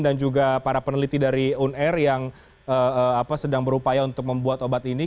dan juga para peneliti dari uner yang sedang berupaya untuk membuat obat ini